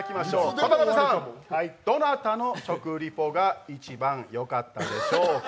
渡邊さん、どなたの食リポが一番よかったでしょうか。